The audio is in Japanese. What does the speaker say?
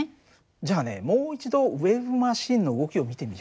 じゃあねもう一度ウエーブマシンの動きを見てみよう。